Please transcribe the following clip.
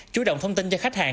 chú động thông tin cho khách hàng